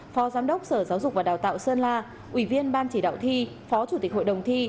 phó giám đốc sở giáo dục và đào tạo sơn la ủy viên ban chỉ đạo thi phó chủ tịch hội đồng thi